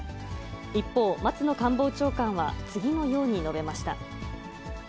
一方、松野官房長官は次のように述べました。